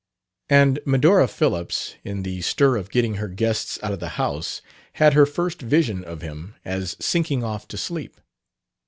And Medora Phillips, in the stir of getting her guests out of the house, had her first vision of him as sinking off to sleep.